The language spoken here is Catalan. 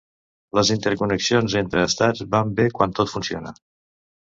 Les interconnexions entre estats van bé quan tot funciona.